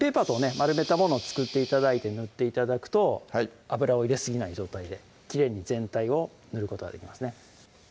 丸めたもの作って頂いて塗って頂くと油を入れすぎない状態できれいに全体を塗ることができますね